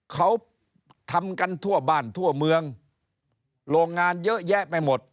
เขาทำกันทั่วบ้านทั่วเมืองโรงงานเยอะแยะไปหมด